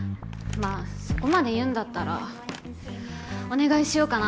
まあそこまで言うんだったらお願いしようかな。